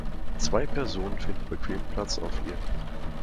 Zwei Personen finden bequem Platz auf ihr.